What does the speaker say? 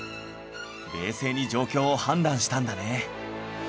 冷静に状況を判断したんだね